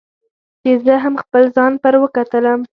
چې زه هم خپل ځان پر وکتلوم.